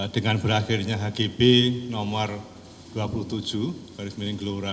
dengan berakhirnya hgb nomor dua puluh tujuh